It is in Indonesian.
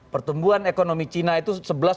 pertumbuhan ekonomi china itu